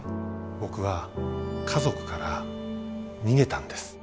僕は家族から逃げたんです。